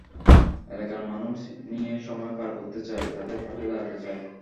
এলাকার মানুষ নিয়ে সময় পার করতে চাই, তাদের পাশে দাঁড়াতে চাই।